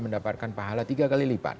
mendapatkan pahala tiga kali lipat